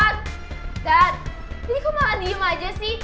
kok daddy sayang aku ya lakuinlah hukum mereka